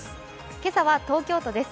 今朝は東京都です。